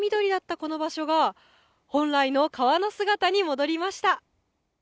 この場所が本来の川の姿に戻りました。